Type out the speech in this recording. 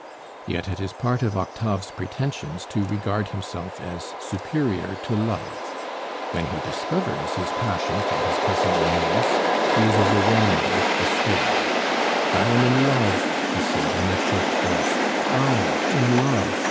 Yet it is part of Octave's pretensions to regard himself as superior to love. When he discovers his passion for his cousin Armance, he is overwhelmed with despair: "I am in love," he said in a choked voice. "I, in love!